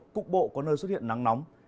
cục bộ có nơi xuất hiện nắng nóng